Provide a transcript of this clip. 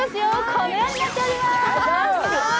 このようになっております。